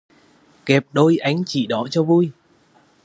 Kẹp đôi anh chị đó cho vui